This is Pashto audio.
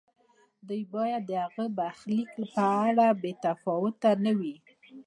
دوی باید د هغه د برخلیک په اړه بې تفاوت نه وي.